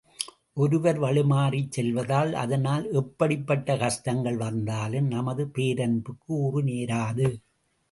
ஒருவர் வழிமாறிச் செல்வதால், அதனால் எப்படிப்பட்ட கஷ்டங்கள் வந்தாலும், நமது பேரன்புக்கு ஊறு நேராது.